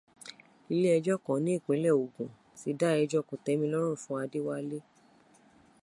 Ilé ẹjọ́ kan ní ìpínlẹ̀ Ògùn ti dá ẹjọ́ kòtẹ́milọ́rùn fún Adéwálé